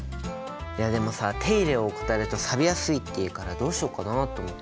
いやでもさ手入れを怠るとさびやすいっていうからどうしようかなあと思って。